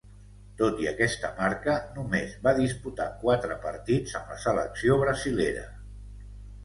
Tot i aquesta marca, només va disputar quatre partits amb la selecció brasilera.